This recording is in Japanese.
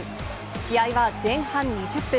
試合は前半２０分。